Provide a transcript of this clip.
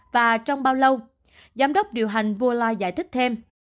và trong bao lâu giám đốc điều hành bourla giải thích thêm